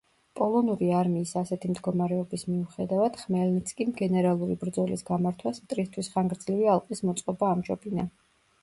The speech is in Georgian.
პოლონური არმიის ასეთი მდგომარეობის მიუხედავად ხმელნიცკიმ გენერალური ბრძოლის გამართვას მტრისთვის ხანგრძლივი ალყის მოწყობა ამჯობინა.